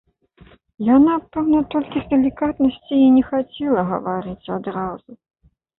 Яна пэўна толькі з далікатнасці і не хацела гаварыць адразу.